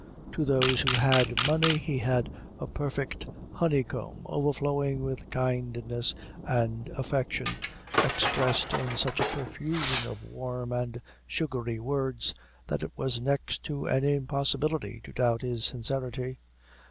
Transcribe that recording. To those who had money he was a perfect honey comb, overflowing with kindness and affection, expressed in such a profusion of warm and sugary words, that it was next to an impossibility to doubt his sincerity.